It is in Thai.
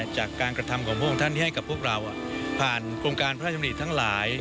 จากการกระทำของพระองค์ท่านให้กับพวกเราผ่านโครงการพระราชดำริทั้งหลาย